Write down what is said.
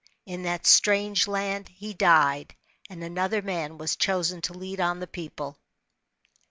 In that strange land he died, and another man was choser to lead on the people.